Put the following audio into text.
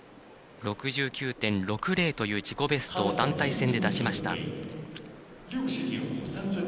６９．６０という自己ベストを団体戦で出しました。